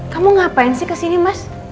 kamu ngapain sih ke sini mas